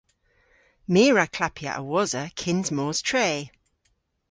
My a wra klappya a-wosa kyns mos tre.